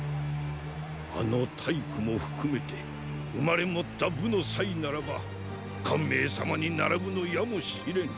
あの体躯も含めて生まれ持った武の才ならば汗明様に並ぶのやも知れぬ。